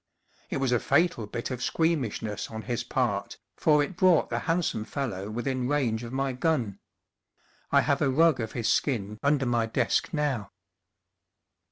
It was a fatal bit of squeamish ness on his part, for it brought the hand some fellow within range of my gun. I have a rug of his skin under my desk now.